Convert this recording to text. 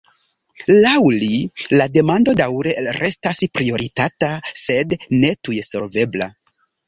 Laŭ li, la demando daŭre restas prioritata sed ne tuj solvebla.